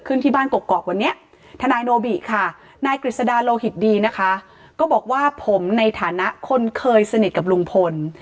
เขาก็เป็นนักกฎหมายด้วย